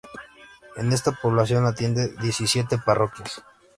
En esta población atiende diecisiete parroquias.